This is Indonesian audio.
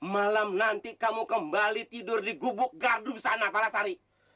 malam nanti kamu kembali tidur di gubuk gardu sana palasari